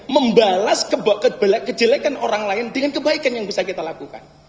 membalas kejelekan orang lain dengan kebaikan yang bisa kita lakukan